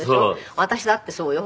私だってそうよ。